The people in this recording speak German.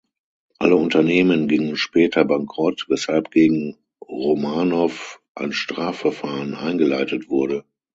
Alle Unternehmen gingen später bankrott, weshalb gegen Romanov ein Strafverfahren eingeleitet wurde.